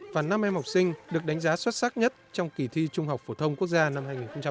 và năm em học sinh được đánh giá xuất sắc nhất trong kỳ thi trung học phổ thông quốc gia năm hai nghìn một mươi tám